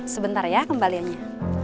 sebentar ya kembaliannya